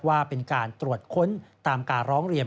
ว่าเป็นการตรวจค้นตามการร้องเรียน